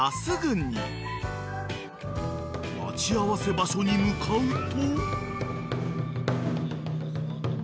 ［待ち合わせ場所に向かうと］